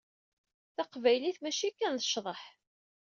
Taqbaylit mačči kan d ccḍeḥ.